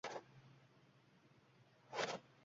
Lekin bundan keyin odamni xafa qiladigan gaplardan gapirmang